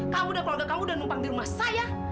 kamu dan keluarga kamu dan numpang di rumah saya